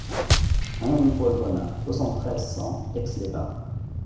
un rue Paul Bonna, soixante-treize, cent, Aix-les-Bains